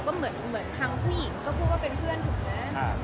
ทั้งผู้หญิงก็คือว่าเป็นเพื่อนถูกนะ